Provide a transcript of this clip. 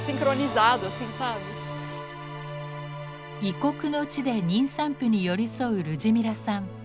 異国の地で妊産婦に寄り添うルジミラさん。